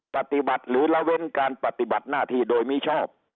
ปฏิบัติหรือละเว้นการปฏิบัติหน้าที่โดยมิชอบ